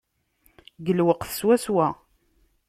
Deg lweqt swaswa!